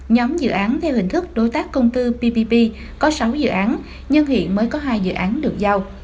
nhóm dự án theo hình thức đối tác công tư ppp có sáu dự án nhưng hiện mới có hai dự án được giao